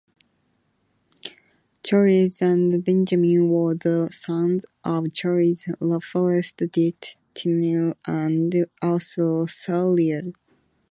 Charles and Benjamin were the sons of Charles LaForest dit Tineau and Ursula Soulliere.